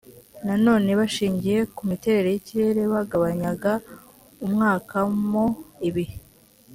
nanone bashingiye ku miterere y ikirere bagabanyaga umwaka mo ibihe